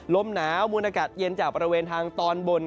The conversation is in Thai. ลมหนาวมูลอากาศเย็นจากบริเวณทางตอนบน